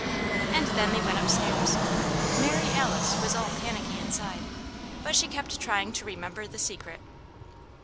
And then they went up stairs. Mary Alice was "all panicky inside," but she kept trying to remember the Secret.